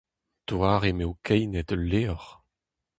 Doare m'eo keinet ul levr.